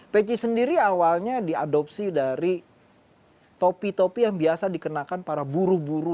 peci sendiri awalnya diadopsi dari topi topi yang biasa dikenakan para buru buru